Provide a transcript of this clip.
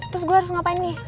terus gue harus ngapain nih